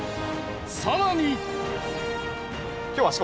さらに。